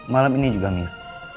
malam ini juga mir